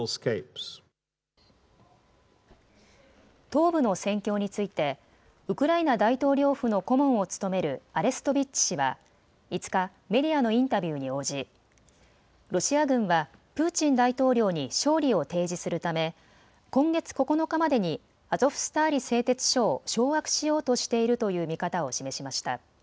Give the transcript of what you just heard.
東部の戦況について、ウクライナ大統領府の顧問を務めるアレストビッチ氏は、５日、メディアのインタビューに応じ、ロシア軍は、プーチン大統領に勝利を提示するため、今月９日までにアゾフスターリ製鉄所を掌握しようとしているという見方を示しました。